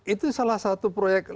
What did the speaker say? itu salah satu proyek